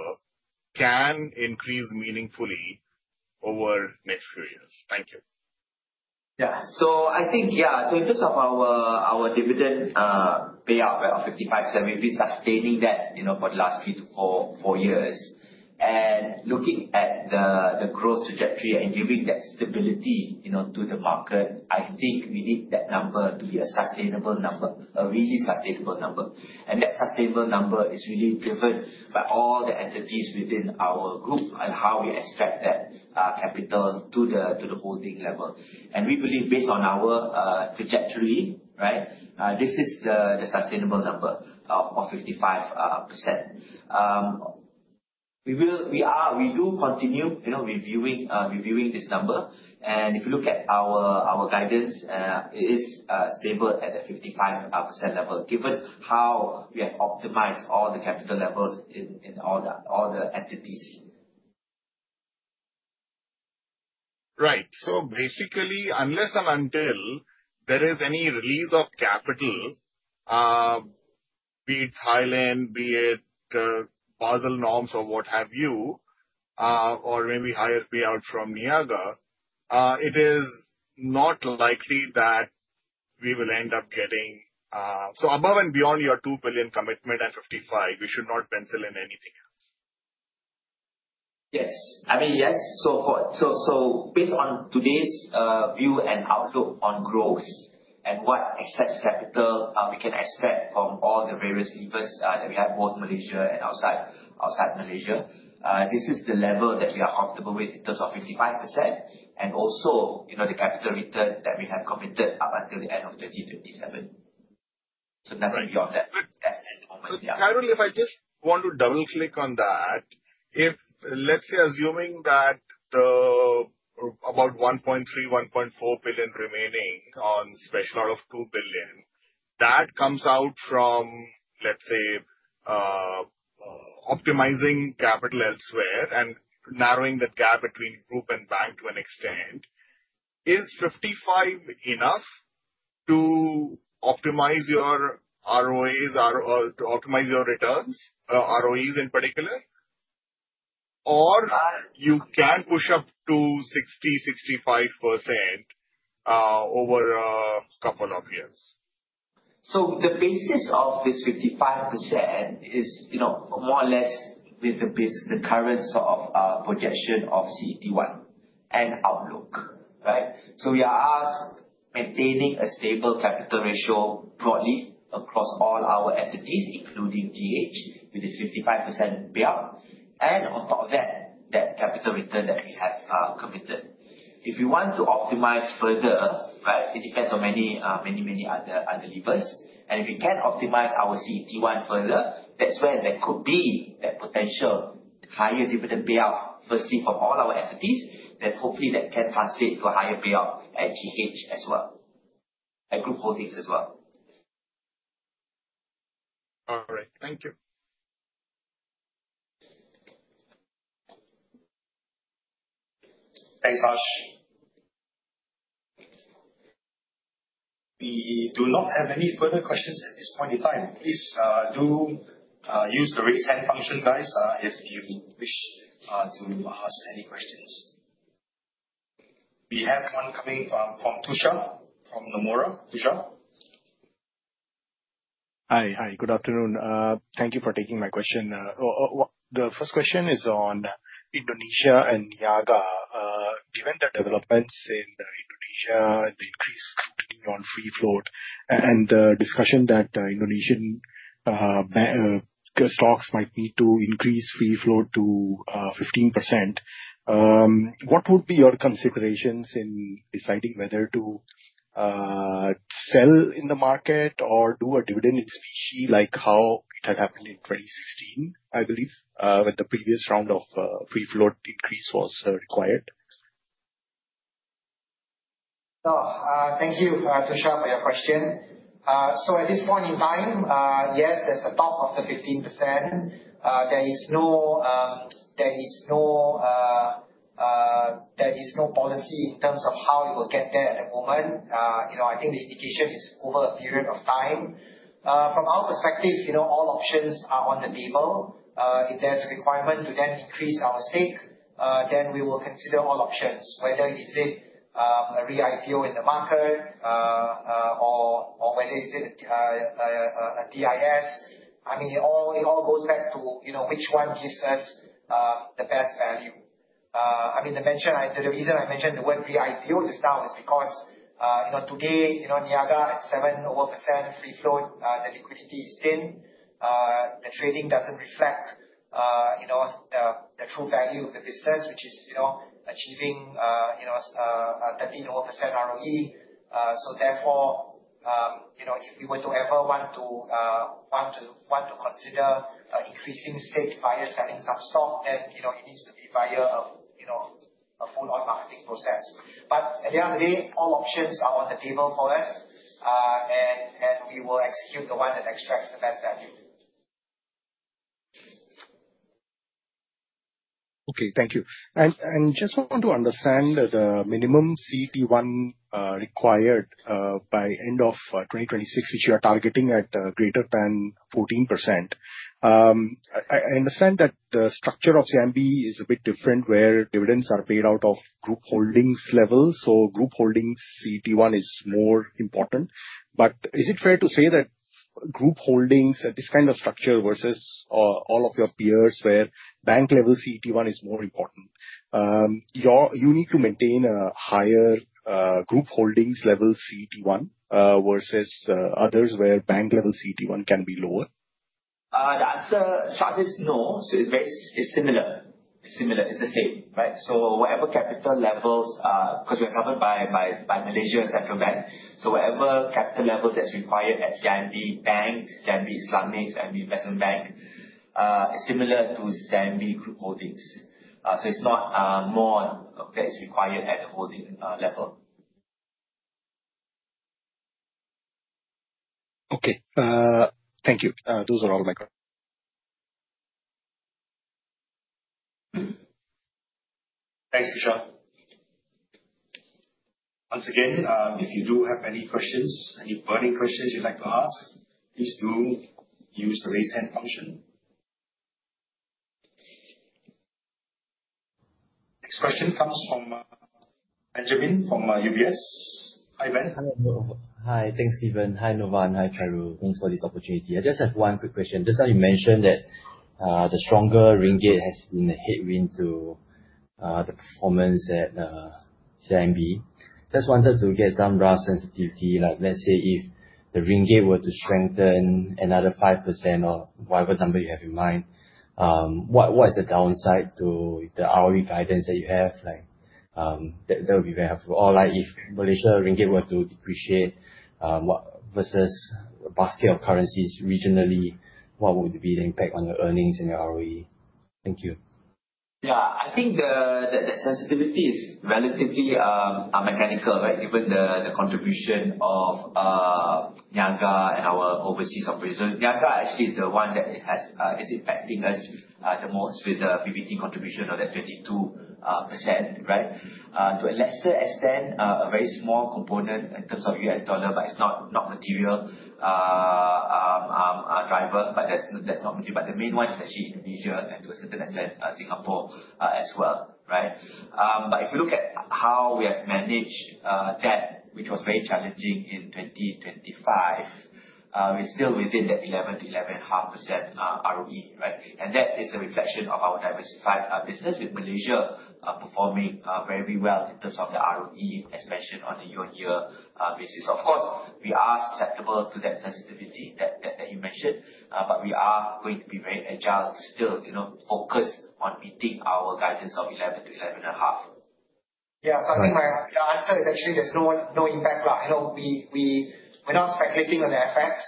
can increase meaningfully over the next few years. Thank you. In terms of our dividend payout of 55%, we've been sustaining that for the last three to four years. Looking at the growth trajectory and giving that stability to the market, I think we need that number to be a sustainable number, a really sustainable number. That sustainable number is really driven by all the entities within our group and how we extract that capital to the holding level. We believe, based on our trajectory, this is the sustainable number of 55%. We do continue reviewing this number, and if you look at our guidance, it is stable at the 55% level, given how we have optimized all the capital levels in all the entities. Basically, unless and until there is any release of capital, be it Thailand, be it Basel norms or what have you, or maybe higher payout from Niaga, it is not likely that we will end up getting above and beyond your 2 billion commitment at 55, we should not pencil in anything else. Based on today's view and outlook on growth and what excess capital we can extract from all the various levers that we have, both Malaysia and outside Malaysia, this is the level that we are comfortable with in terms of 55%, and also, the capital return that we have committed up until the end of 2027. That will be all that at the moment. Carol, if I just want to double-click on that, let's say assuming that about 1.3 billion, 1.4 billion remaining on special out of 2 billion, that comes out from, let's say, optimizing capital elsewhere and narrowing that gap between group and bank to an extent. Is 55% enough to optimize your ROAs, or to optimize your returns, ROEs in particular, or you can push up to 60%-65% over a couple of years? The basis of this 55% is more or less with the current projection of CET1 and outlook. Right. We are maintaining a stable capital ratio broadly across all our entities, including GH, with this 55% payout. On top of that capital return that we have committed. If we want to optimize further, it depends on many, many other levers. If we can optimize our CET1 further, that's where there could be that potential higher dividend payout, firstly, from all our entities, that hopefully that can translate to a higher payout at GH as well, at Group Holdings as well. All right. Thank you. Thanks, Harsh. We do not have any further questions at this point in time. Please do use the raise hand function, guys, if you wish to ask any questions. We have one coming from Tushar from Nomura. Tushar? Hi. Good afternoon. Thank you for taking my question. The first question is on Indonesia and Niaga. Given the developments in Indonesia, the increased scrutiny on free float and the discussion that Indonesian stocks might need to increase free float to 15%, what would be your considerations in deciding whether to sell in the market or do a dividend issue like how it had happened in 2016, I believe, when the previous round of free float increase was required? Thank you, Tushar, for your question. At this point in time, yes, there's a talk of the 15%. There is no policy in terms of how you will get there at the moment. I think the indication is over a period of time. From our perspective, all options are on the table. If there's a requirement to then increase our stake, then we will consider all options, whether is it a re-IPO in the market, or whether is it a DIS. It all goes back to which one gives us the best value. The reason I mentioned the word re-IPO just now is because, today, Niaga at 7-over % free float, the liquidity is thin. The trading doesn't reflect the true value of the business, which is achieving a 30-over % ROE. Therefore, if we were to ever want to consider increasing stakes via selling some stock, then it needs to be via a full-on marketing process. At the end of the day, all options are on the table for us, and we will execute the one that extracts the best value. Okay, thank you. Just want to understand the minimum CET1 required by end of 2026, which you are targeting at greater than 14%. I understand that the structure of CIMB is a bit different, where dividends are paid out of Group Holdings level. Group Holdings CET1 is more important. Is it fair to say that Group Holdings at this kind of structure versus all of your peers, where bank level CET1 is more important, you need to maintain a higher, Group Holdings level CET1, versus others, where bank level CET1 can be lower? The answer, short, is no. It's similar. It's the same, right? Whatever capital levels, because we are covered by Bank Negara Malaysia, whatever capital levels that's required at CIMB Bank, CIMB Islamic, CIMB Investment Bank, similar to CIMB Group Holdings. It's not more that is required at the holding level. Okay. Thank you. Those are all my questions. Thanks, Vishal. Once again, if you do have any questions, any burning questions you'd like to ask, please do use the Raise Hand function. Next question comes from Benjamin from UBS. Hi, Ben. Hi, everyone. Hi. Thanks, Kevin. Hi, Novan. Hi, Khairul. Thanks for this opportunity. I just have one quick question. Just now you mentioned that the stronger ringgit has been a headwind to the performance at CIMB. Just wanted to get some rough sensitivity, like let's say if the ringgit were to strengthen another 5% or whatever number you have in mind, what is the downside to the ROE guidance that you have? That would be very helpful. Or if Malaysia ringgit were to depreciate versus a basket of currencies regionally, what would be the impact on your earnings and your ROE? Thank you. Yeah. I think the sensitivity is relatively mechanical, right? Given the contribution of Niaga and our overseas operations. Niaga is actually the one that is impacting us the most with the PBT contribution of that 32%, right? To a lesser extent, a very small component in terms of US dollar, but it's not material, driver. That's not material. The main one is actually Indonesia and, to a certain extent, Singapore as well, right? If you look at how we have managed that, which was very challenging in 2025, we're still within that 11 to 11.5% ROE, right? That is a reflection of our diversified business, with Malaysia performing very well in terms of the ROE, as mentioned, on a year-over-year basis. Of course, we are susceptible to that sensitivity that you mentioned. We are going to be very agile to still focus on meeting our guidance of 11% to 11.5%. Yeah. I think my answer is actually there's no impact. We're not speculating on the FX.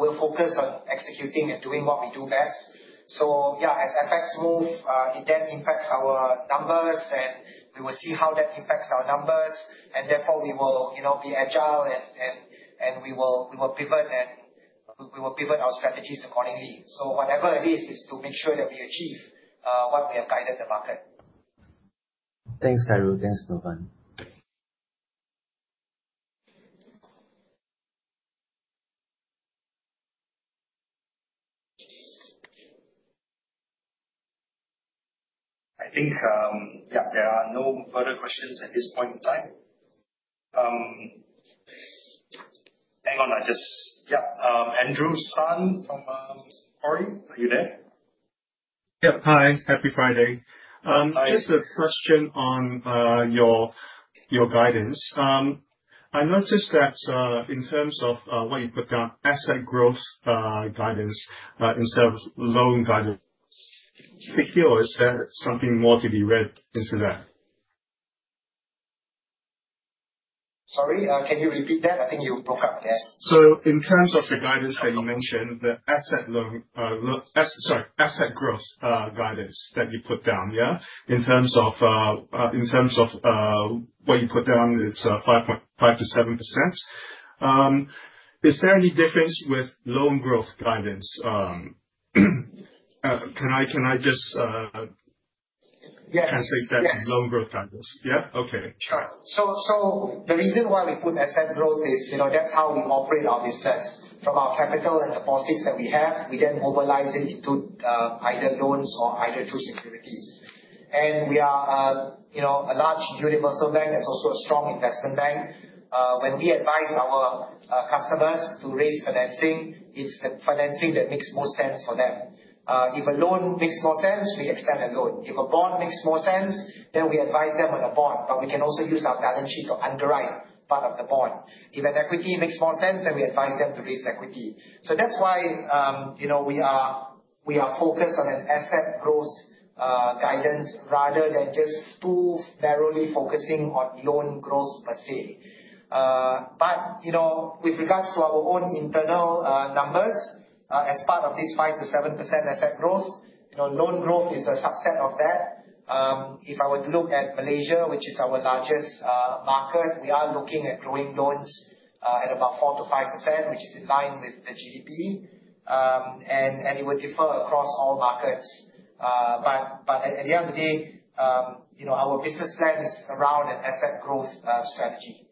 We're focused on executing and doing what we do best. Yeah, as FX move, it then impacts our numbers, and we will see how that impacts our numbers. Therefore, we will be agile, and we will pivot our strategies accordingly. Whatever it is to make sure that we achieve what we have guided the market. Thanks, Khairul. Thanks, Novan. I think, yeah, there are no further questions at this point in time. Hang on. Yeah, Andrew Sun from Orion, are you there? Yep. Hi. Happy Friday. Hi. Just a question on your guidance. I noticed that in terms of what you put down, asset growth guidance instead of loan guidance. Is that something more to be read into that? Sorry, can you repeat that? I think you broke up, yes. In terms of the guidance that you mentioned, the asset growth guidance that you put down, yeah? In terms of what you put down, it's 5%-7%. Is there any difference with loan growth guidance? Yes translate that to loan growth guidance? Yeah? Okay. Sure. The reason why we put asset growth is, that's how we operate our business. From our capital and deposits that we have, we then mobilize it into either loans or either through securities. We are a large universal bank that's also a strong investment bank. When we advise our customers to raise financing, it's the financing that makes most sense for them. If a loan makes more sense, we extend a loan. If a bond makes more sense, then we advise them on a bond, but we can also use our balance sheet to underwrite part of the bond. If an equity makes more sense, then we advise them to raise equity. That's why we are focused on an asset growth guidance rather than just too narrowly focusing on loan growth per se. With regards to our own internal numbers, as part of this 5%-7% asset growth, loan growth is a subset of that. If I were to look at Malaysia, which is our largest market, we are looking at growing loans at about 4%-5%, which is in line with the GDP. It would differ across all markets. At the end of the day, our business plan is around an asset growth strategy.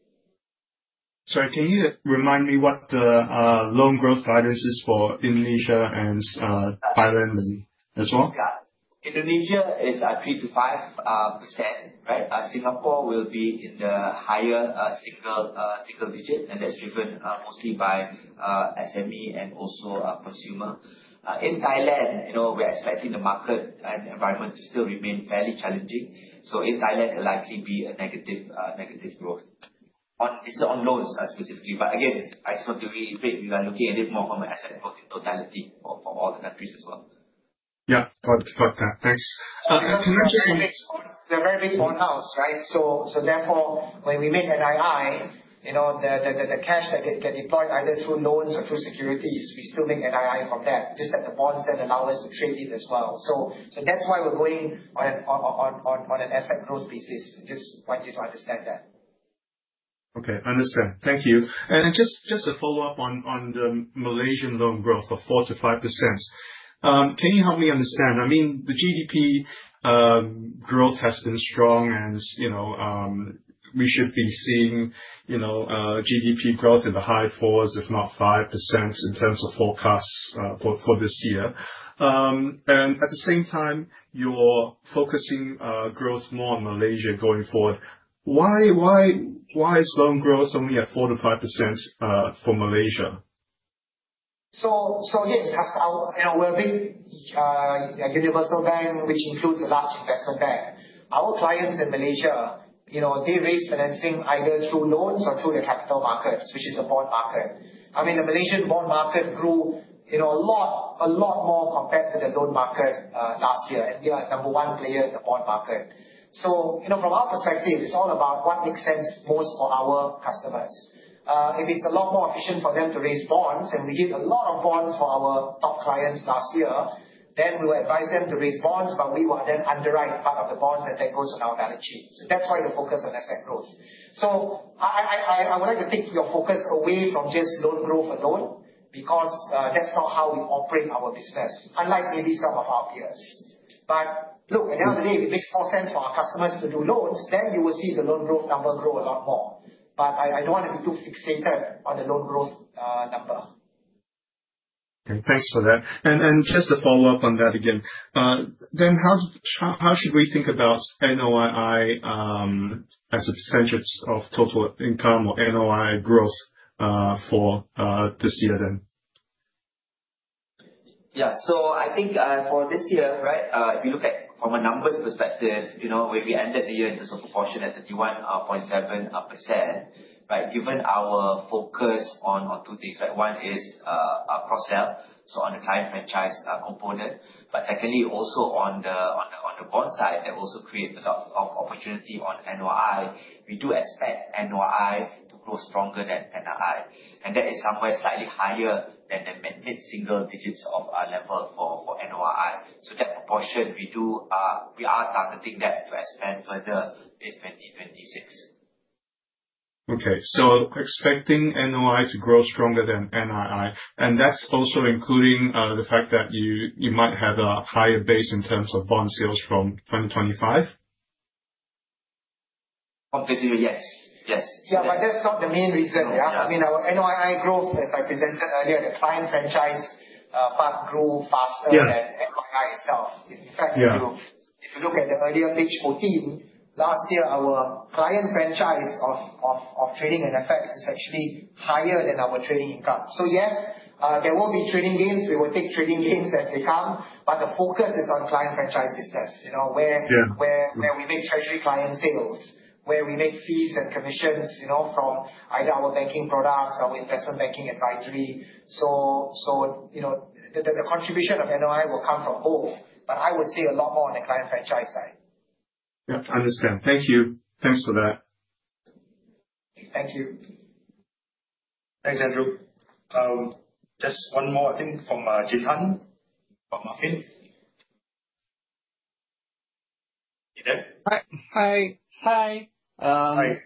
Sorry, can you remind me what the loan growth guidance is for Indonesia and Thailand as well? Yeah. Indonesia is at 3%-5%, right? Singapore will be in the higher single digit, and that's driven mostly by SME and also consumer. In Thailand, we're expecting the market and the environment to still remain fairly challenging. In Thailand, it'll likely be a negative growth. This is on loans specifically, but again, I spoke to you a bit, we are looking a bit more from an asset point in totality for all the countries as well. Yeah. Got that. Thanks. We're a very big bond house, right? Therefore, when we make NII, the cash that get deployed either through loans or through securities, we still make NII from that, just that the bonds then allow us to trade it as well. That's why we're going on an asset growth basis. Just want you to understand that. Okay, understand. Thank you. Just to follow up on the Malaysian loan growth of 4%-5%. Can you help me understand? I mean, the GDP growth has been strong and we should be seeing GDP growth in the high 4s, if not 5%, in terms of forecasts for this year. At the same time, you're focusing growth more on Malaysia going forward. Why is loan growth only at 4%-5% for Malaysia? Again, we're a big universal bank, which includes a large investment bank. Our clients in Malaysia, they raise financing either through loans or through the capital markets, which is the bond market. I mean, the Malaysian bond market grew a lot more compared to the loan market last year, and we are number one player in the bond market. From our perspective, it's all about what makes sense most for our customers. If it's a lot more efficient for them to raise bonds, and we did a lot of bonds for our top clients last year, then we will advise them to raise bonds, but we will then underwrite part of the bonds, and that goes on our balance sheet. That's why the focus on asset growth. I wanted to take your focus away from just loan growth alone, because that's not how we operate our business, unlike maybe some of our peers. Look, at the end of the day, it makes more sense for our customers to do loans, then you will see the loan growth number grow a lot more. I don't want you to be too fixated on the loan growth number. Okay, thanks for that. Just to follow up on that again. How should we think about NOII as a percentage of total income or NOI growth for this year then? I think for this year, right? If you look at it from a numbers perspective, we ended the year in terms of proportion at 31.7%. Given our focus on two things, one is cross-sell, on the client franchise component. Secondly, also on the bond side, that also create a lot of opportunity on NOI. We do expect NOI to grow stronger than NII, and that is somewhere slightly higher than the mid-single digits of our level for NOI. That proportion, we are targeting that to expand further in 2026. Expecting NOI to grow stronger than NII, that's also including, the fact that you might have a higher base in terms of bond sales from 2025? Obviously, yes. That's not the main reason. I mean, our NOI growth, as I presented earlier, the client franchise part grew faster- Yeah than NII itself. In fact- Yeah if you look at the earlier page 14, last year, our client franchise of trading and FX is actually higher than our trading income. Yes, there will be trading gains. We will take trading gains as they come, but the focus is on client franchise business. Yeah. Where we make treasury client sales, where we make fees and commissions from either our banking products, our investment banking advisory. The contribution of NOI will come from both, but I would say a lot more on the client franchise side. Yeah, understand. Thank you. Thanks for that. Thank you. Thanks, Andrew. Just one more, I think, from Jithan from Murphy. You there? Hi. Hi. I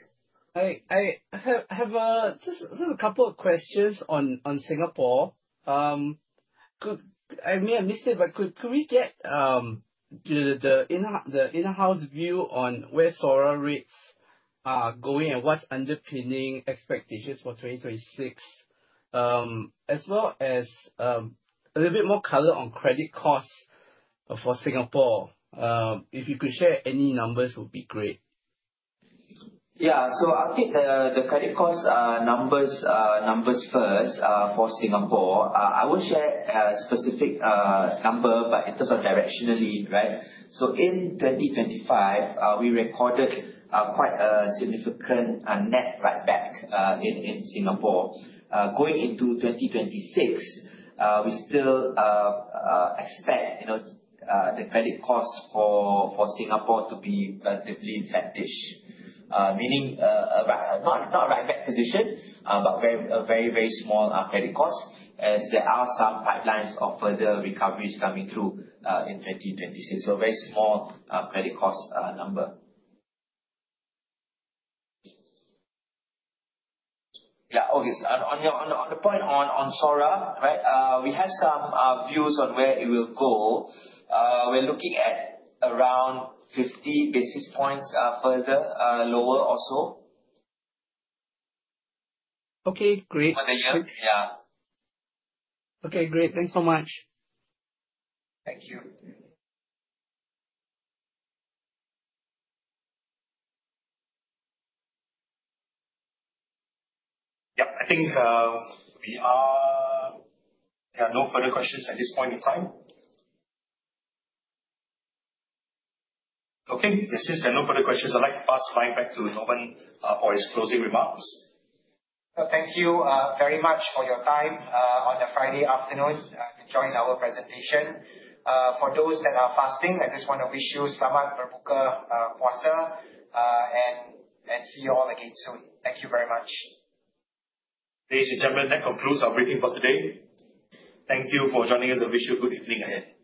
have just a couple of questions on Singapore. I may have missed it, but could we get the in-house view on where SORA rates are going, and what's underpinning expectations for 2026? As well as a little bit more color on credit costs for Singapore. If you could share any numbers, would be great. Yeah. I'll take the credit cost numbers first for Singapore. I won't share a specific number, but in terms of directionally, right? In 2025, we recorded quite a significant net write-back in Singapore. Going into 2026, we still expect the credit cost for Singapore to be relatively flat-ish. Meaning, not a write-back position, but a very small credit cost as there are some pipelines of further recoveries coming through in 2026. Very small credit cost number. Yeah, okay. On the point on SORA, right? We have some views on where it will go. We're looking at around 50 basis points further lower or so. Okay, great. For the year. Yeah. Okay, great. Thanks so much. Thank you. Yeah, I think there are no further questions at this point in time. Okay. If there's no further questions, I'd like to pass Mike back to Norman for his closing remarks. Thank you very much for your time on a Friday afternoon to join our presentation. For those that are fasting, I just want to wish you Selamat Berbuka Puasa. See you all again soon. Thank you very much. Ladies and gentlemen, that concludes our briefing for today. Thank you for joining us. I wish you a good evening ahead.